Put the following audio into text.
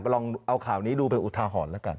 ลองเอาข่าวนี้ดูเป็นอุทาหรณ์แล้วกัน